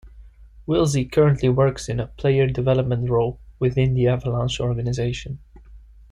Willsie currently works in a player development role within the Avalanche organization.